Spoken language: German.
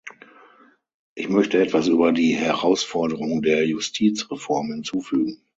Ich möchte etwas über die Herausforderung der Justizreform hinzufügen.